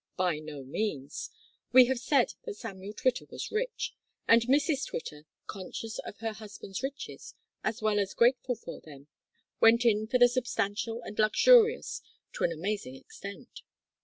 By no means. We have said that Samuel Twitter was rich, and Mrs Twitter, conscious of her husband's riches, as well as grateful for them, went in for the substantial and luxurious to an amazing extent.